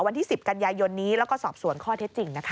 วันที่๑๐กันยายนนี้แล้วก็สอบสวนข้อเท็จจริงนะคะ